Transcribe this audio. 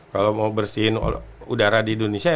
kalau mau bersihin udara di indonesia